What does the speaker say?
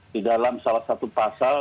di dalam salah satu pasal